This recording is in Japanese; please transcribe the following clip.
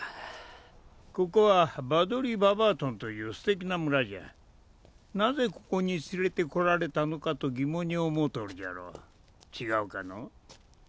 ここはバドリー・ババートンという素敵な村じゃなぜここに連れてこられたのかと疑問に思うとるじゃろ違うかのう？